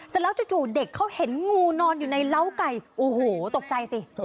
เสร็จแล้วจู่เด็กเขาเห็นงูนอนอยู่ในเล้าไก่โอ้โหตกใจสิ